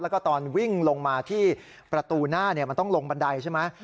แล้วก็ตอนวิ่งลงมาที่ประตูหน้ามันต้องลงบันไดใช่ไหม